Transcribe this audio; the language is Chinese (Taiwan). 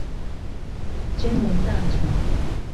金崙大橋